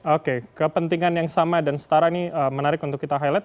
oke kepentingan yang sama dan setara ini menarik untuk kita highlight